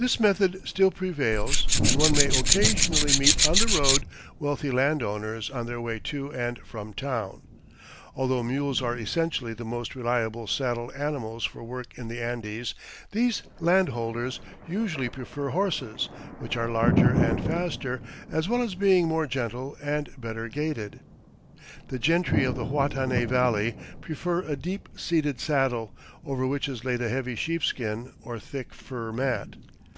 This method still prevails and one may occasionally meet on the road wealthy landholders on their way to and from town. Although mules are essentially the most reliable saddle animals for work in the Andes, these landholders usually prefer horses, which are larger and faster, as well as being more gentle and better gaited. The gentry of the Huatanay Valley prefer a deep seated saddle, over which is laid a heavy sheepskin or thick fur mat.